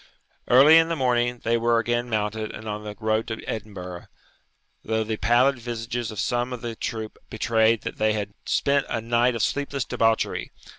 Early in the morning they were again mounted and on the road to Edinburgh, though the pallid visages of some of the troop betrayed that they had spent a night of sleepless debauchery.